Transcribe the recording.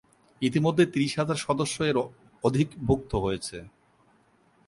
ইতোমধ্যেই ত্রিশ হাজার সদস্য এর অধিভূক্ত হয়েছে।